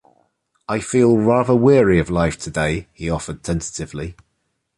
"I feel rather weary of life today," he offered tentatively.